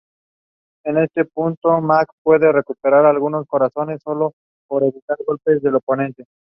En este punto, Mac puede recuperar algunos corazones, sólo por evitar golpes del oponente.